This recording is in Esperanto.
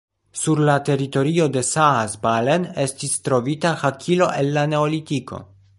Sur la teritorio de Saas-Balen estis trovita hakilo el la neolitiko.